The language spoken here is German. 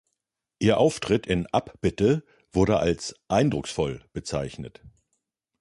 Ihr Auftritt in "Abbitte" wurde als „eindrucksvoll“ bezeichnet.